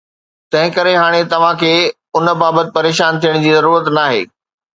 تنهنڪري هاڻي توهان کي ان بابت پريشان ٿيڻ جي ضرورت ناهي